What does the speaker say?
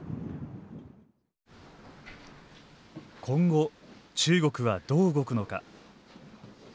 今後中国はどう動くのか。